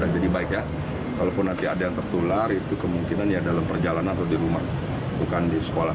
jadi baik ya walaupun nanti ada yang tertular itu kemungkinan ya dalam perjalanan atau di rumah bukan di sekolah